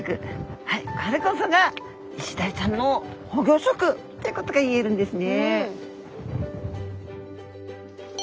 はいこれこそがイシダイちゃんの保護色ってことが言えるんですね。